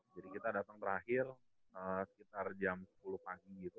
jadi kita datang terakhir sekitar jam sepuluh pagi gitu